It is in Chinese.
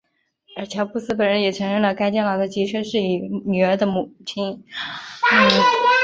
而乔布斯本人也承认了该电脑的确是以女儿的名字命名的。